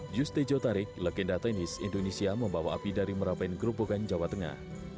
yus tejo tarik legenda tenis indonesia membawa api dari merupakan gerobokan jawa tengah